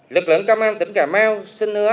lực lượng cảm an tỉnh cảm mau xin hứa